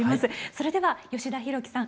それでは吉田ひろきさん